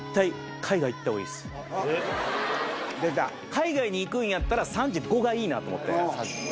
海外に行くんやったら３５がいいなと思って。